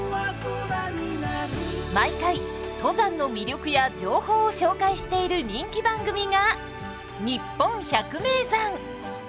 毎回登山の魅力や情報を紹介している人気番組が「にっぽん百名山」。